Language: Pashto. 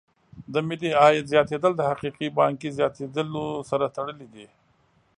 د ملي عاید زیاتېدل د حقیقي پانګې زیاتیدلو سره تړلې دي.